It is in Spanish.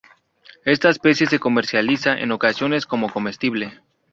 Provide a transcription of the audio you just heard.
Esta especie se comercializa en ocasiones como comestible.